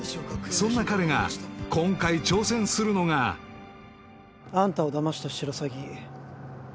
そんな彼が今回挑戦するのがあんたをダマしたシロサギ